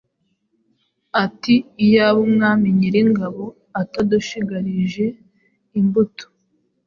ati, ‘Iyaba Umwami Nyiringabo atadushigarije imbuto,